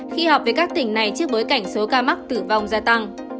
khi họp với các tỉnh này trước bối cảnh số ca mắc tử vong gia tăng